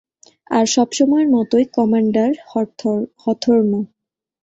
আর সবসময়ের মতোই, commander Hawthorne.